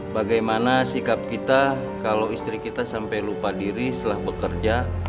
bagaimana sikap kita kalau istri kita sampai lupa diri setelah bekerja